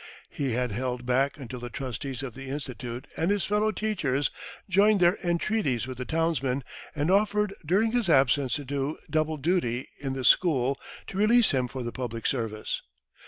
He had held back until the trustees of the Institute and his fellow teachers joined their entreaties with the townsmen, and offered during his absence to do double duty in the school to release him for the public service.